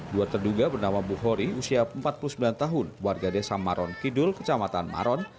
dua terduga bernama bu hori usia empat puluh sembilan tahun warga desa maron kidul kecamatan maron